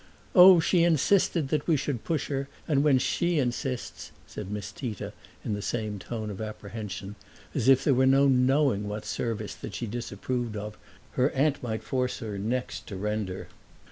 "Oh, she insisted that we should push her; and when she insists!" said Miss Tita in the same tone of apprehension; as if there were no knowing what service that she disapproved of her aunt might force her next to render.